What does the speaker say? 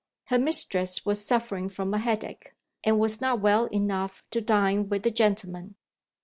Her mistress was suffering from a headache, and was not well enough to dine with the gentlemen.